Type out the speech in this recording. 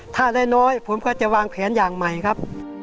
ถ้าได้น้อยผมก็จะวางแผนอย่างใหม่ครับ